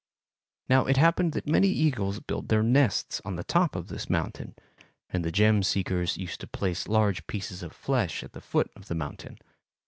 Now it happened that many eagles built their nests on the top of this mountain, and the gem seekers used to place large pieces of flesh at the foot of the mountain.